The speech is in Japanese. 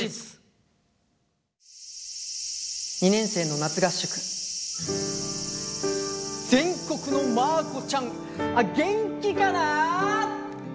２年生の夏合宿「全国のマー子ちゃん元気かな？」。